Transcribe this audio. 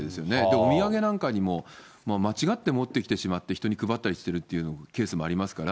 お土産なんかにも、間違って持ってきてしまって、人に配ったりするっていうケースもありますから、